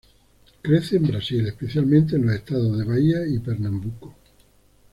Crece en Brasil, especialmente en los estados de Bahia y Pernambuco.